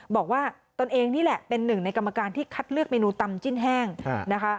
ตนเองนี่แหละเป็นหนึ่งในกรรมการที่คัดเลือกเมนูตำจิ้นแห้งนะคะ